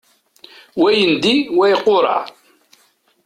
Wa yendi, wa iqureɛ.